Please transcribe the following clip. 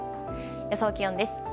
予想気温です。